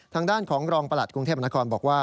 ทางด้านของรองประหลัดกรุงเทพนครบอกว่า